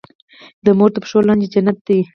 د مور تر پښو لاندي جنت دی.